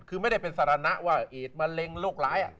คือไม่ได้เป็นสารณะว่าเอดมะเร็งโรคร้าย